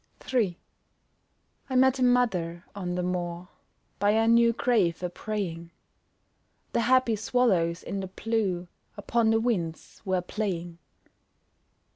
3 I met a mother on the moor, By a new grave a praying. The happy swallows in the blue Upon the winds were playing.